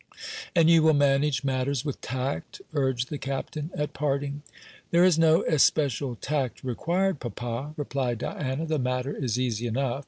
"And you will manage matters with tact?" urged the Captain, at parting. "There is no especial tact required, papa," replied Diana; "the matter is easy enough.